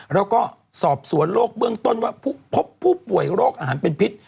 แล้วก็สอบสวนโรคเบื้องต้นว่าพบผู้ป่วยโรคอาหารเป็นพิษ